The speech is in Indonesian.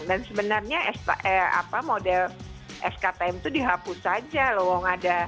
dan sebenarnya model sktm itu dihapus saja loh